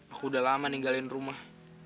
aku udah lama ninggalin rumah